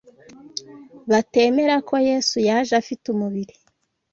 batemera ko Yesu Kristo yaje afite umubiri